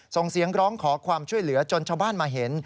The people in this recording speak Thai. ส่งเสียงร้องขอความช่วยเหลือจนชาวบ้านมาเห็น